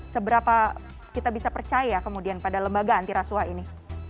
seberapa kita bisa percaya kemudian pada lembaga antirasuah ini